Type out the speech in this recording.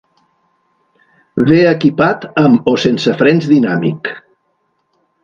Ve equipat amb o sense frens dinàmic.